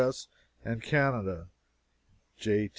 S. and Canada J.